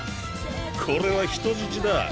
これは人質だ。